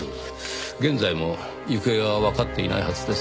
現在も行方がわかっていないはずです。